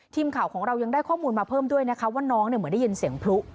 ทีมข่าวของเรายังได้ข้อมูลมาเพิ่มด้วยนะคะว่าน้องเหมือนได้ยินเสียงพลุ